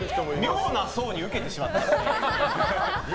妙な層にウケてしまったんですね。